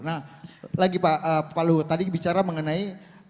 nah lagi pak luhut tadi bicara mengenai